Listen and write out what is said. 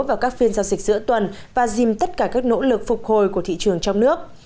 vào các phiên giao dịch giữa tuần và dìm tất cả các nỗ lực phục hồi của thị trường trong nước